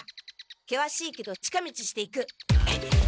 けわしいけど近道して行く。